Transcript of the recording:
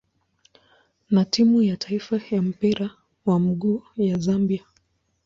na timu ya taifa ya mpira wa miguu ya Zambia.